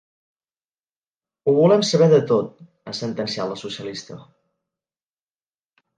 Ho volem saber de tot, ha sentenciat la socialista.